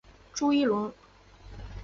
朱一龙